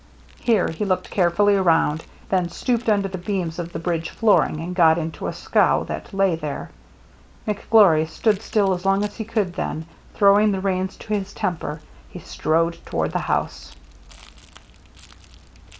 Here he looked carefully around, then stooped under the beams of the bridge flooring and got into a scow that lay there. McGlory stood still as long as he could, then, throwing the reins to his temper, he strode toward the house.